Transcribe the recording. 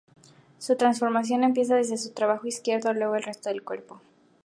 Su transformación empieza desde su brazo izquierdo, luego el resto del cuerpo.